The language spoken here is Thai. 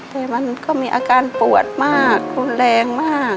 แต่มันก็มีอาการปวดมากรุนแรงมาก